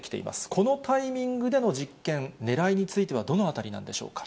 このタイミングでの実験、ねらいについてはどのあたりなんでしょうか？